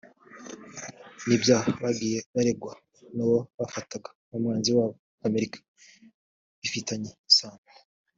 n’ibyaha bagiye baregwa n’uwo bafataga nk’umwanzi wabo Amerika bifitanye isano